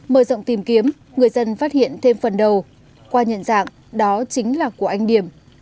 mở rộng tìm kiếm người dân phát hiện thêm phần đầu qua nhận dạng đó chính là của anh điểm